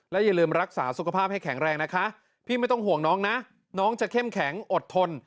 อย่าลืมรักษาสุขภาพให้แข็งแรงนะคะพี่ไม่ต้องห่วงน้องนะน้องจะเข้มแข็งอดทน